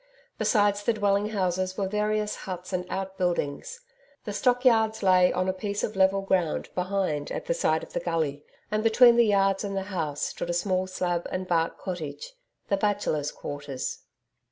Besides the dwelling houses were various huts and outbuildings. The stock yards lay on a piece of level ground behind at the side of the gully, and between the yards and the House stood a small slab and bark cottage the Bachelors' Quarters.